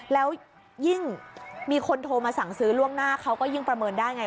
แล้วยิ่งมีคนโทรมาสั่งซื้อล่วงหน้าเขาก็ยิ่งประเมินได้ไง